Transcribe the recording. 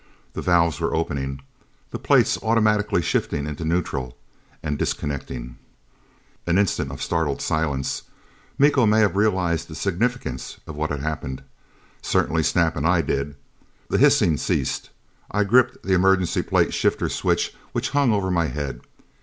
The valves were opening; the plates automatically shifting into neutral, and disconnecting! An instant of startled silence. Miko may have realized the significance of what had happened. Certainly Snap and I did. The hissing ceased. I gripped the emergency plate shifter switch which hung over my head.